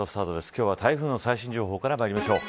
今日は、台風の最新情報からまいりましょう。